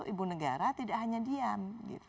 ibu negara tidak hanya diam